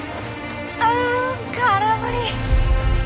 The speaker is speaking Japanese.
うん空振り。